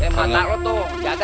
eh mata lu tuh jaga